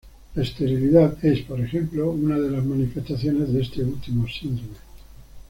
La esterilidad es, por ejemplo, una de las manifestaciones de este último síndrome.